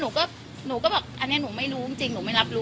หนูก็บอกอันนี้หนูไม่รู้จริงหนูไม่รับรู้